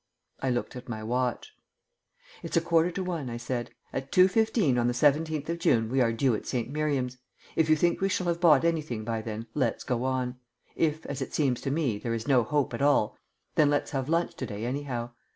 I looked at my watch. "It's a quarter to one," I said. "At 2.15 on the seventeenth of June we are due at St. Miriam's. If you think we shall have bought anything by then, let's go on. If, as seems to me, there is no hope at all, then let's have lunch to day anyhow.